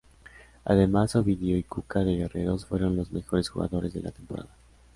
Además Ovidio y Cuca de "Guerreros" fueron los mejores jugadores de la temporada.